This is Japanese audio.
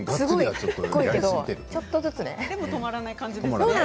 止まらない感じですね。